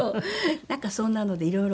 なんかそんなので色々。